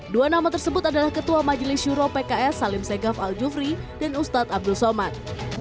dua nama tersebut adalah ketua majelis syuro pks salim segaf al jufri dan ustadz abdul somad